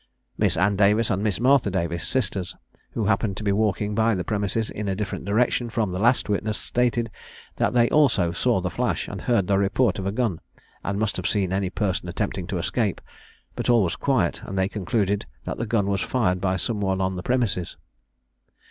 Miss Ann Davis and Miss Martha Davis, sisters, who happened to be walking by the premises in a different direction from the last witness, stated, that they also saw the flash, and heard the report of a gun, and must have seen any person attempting to escape; but all was quiet, and they concluded that the gun was fired by some one on the premises.